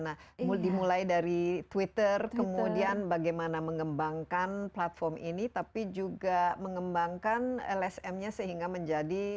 nah dimulai dari twitter kemudian bagaimana mengembangkan platform ini tapi juga mengembangkan lsm nya sehingga menjadi